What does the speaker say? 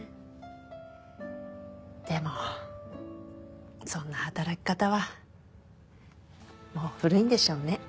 でもそんな働き方はもう古いんでしょうね。